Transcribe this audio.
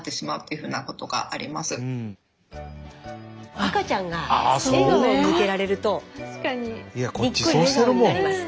赤ちゃんが笑顔を向けられるとニッコリ笑顔になります。